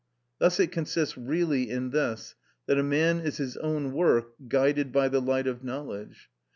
Thus it consists really in this, that a man is his own work guided by the light of knowledge.